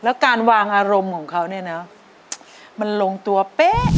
แล้วการวางอารมณ์ของเขาเนี่ยนะมันลงตัวเป๊ะ